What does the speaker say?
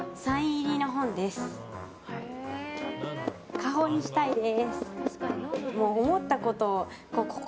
家宝にしたいです。